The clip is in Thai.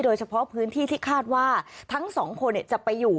โดยเฉพาะพื้นที่ที่คาดว่าทั้งสองคนจะไปอยู่